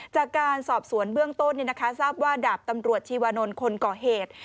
จากการสอบสวนเบื้องต้นทราบว่าดาบตำรวจชีวานนท์คนก่อเหตุ